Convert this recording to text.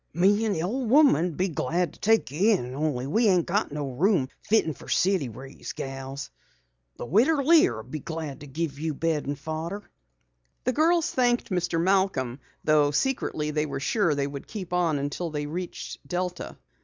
"Me and the ole woman'd be glad to take you in, only we ain't got no room fitten for city raised gals. The Widder Lear'll be glad to give you bed and fodder." The girls thanked Mr. Malcom, though secretly they were sure they would keep on until they reached Delta.